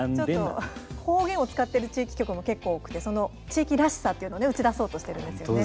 方言を使っている地域局も結構多くて地域らしさというのを打ち出そうとしてるんですよね。